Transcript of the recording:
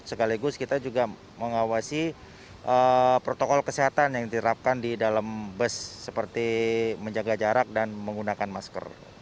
sekaligus kita juga mengawasi protokol kesehatan yang diterapkan di dalam bus seperti menjaga jarak dan menggunakan masker